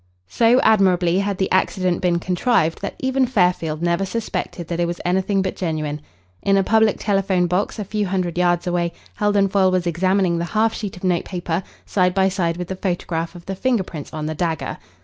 So admirably had the accident been contrived that even Fairfield never suspected that it was anything but genuine. In a public telephone box, a few hundred yards away, Heldon Foyle was examining the half sheet of notepaper side by side with the photograph of the finger prints on the dagger.